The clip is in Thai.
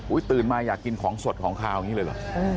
อุ้ยตื่นมาอยากกินของสดของเคราะห์นี้เลยหรอ